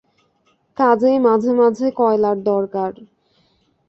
কাজেই মাঝে মাঝে কয়লার দরকার।